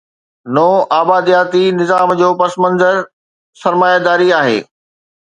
نوآبادياتي نظام جو پس منظر سرمائيداري آهي.